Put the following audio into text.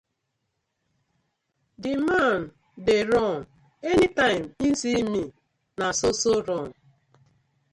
Di man dey run anytime im see mi no so so run.